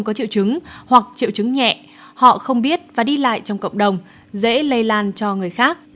có triệu chứng hoặc triệu chứng nhẹ họ không biết và đi lại trong cộng đồng dễ lây lan cho người khác